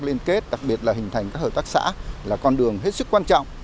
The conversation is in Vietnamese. liên kết đặc biệt là hình thành các hợp tác xã là con đường hết sức quan trọng